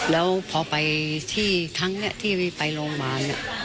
แล้วพอไปที่ครั้งนี้ที่ไปโรงพยาบาล